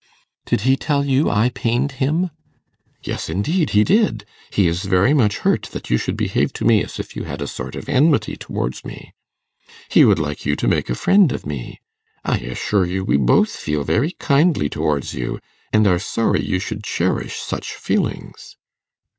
'Did he tell you I pained him?' 'Yes, indeed, he did. He is very much hurt that you should behave to me as if you had a sort of enmity towards me. He would like you to make a friend of me. I assure you we both feel very kindly towards you, and are sorry you should cherish such feelings.